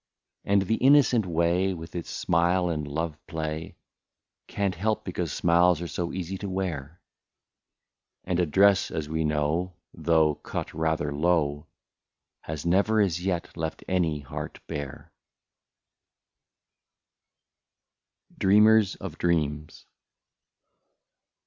And the innocent way, with its smile and love play. Can't help, because smiles are so easy to wear^ And a dress, as we know, though cut rather low, Has never as yet left any heart bare. 147 DREAMERS OF DREAMS.